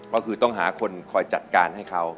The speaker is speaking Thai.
ก็คือต้องหาคนคอยจัดการให้เขา